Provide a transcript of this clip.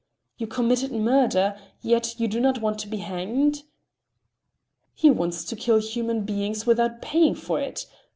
"You committed murder, yet you do not want to be hanged?" "He wants to kill human beings without paying for it.